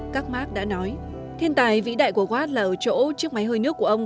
các mark đã nói thiên tài vĩ đại của watt là ở chỗ chiếc máy hơi nước của ông